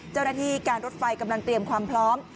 เจ้าหน้าที่การรถไฟกำลังเตรียมความพร้อม